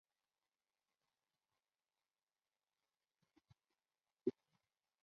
顺天府乡试第五十名。